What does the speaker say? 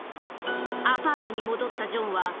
アパートに戻ったジョンは。